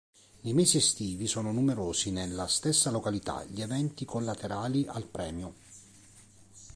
Nei mesi estivi sono numerosi, nella stessa località, gli eventi collaterali al premio.